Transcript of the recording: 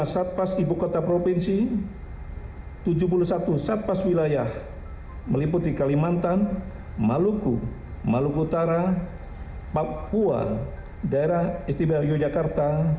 empat satpas ibu kota provinsi tujuh puluh satu satpas wilayah meliputi kalimantan maluku maluku utara papua daerah istimewa yogyakarta